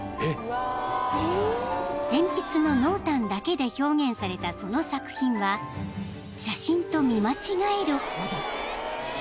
［鉛筆の濃淡だけで表現されたその作品は写真と見間違えるほど］